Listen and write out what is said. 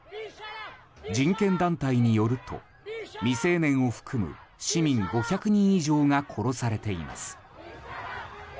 人権団体によると未成年を含む市民５００人以上が殺されています。